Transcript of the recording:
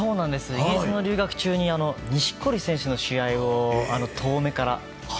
イギリスの留学中に錦織選手の試合を遠目から。